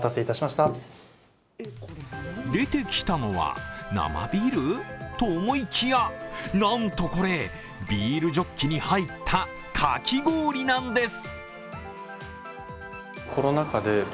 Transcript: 出てきたのは生ビールと思いきや、なんとこれ、ビールジョッキに入ったかき氷なんです。